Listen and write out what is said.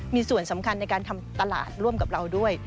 มีส่วนสำคัญในการทำตลาดร่วมกับเราด้วย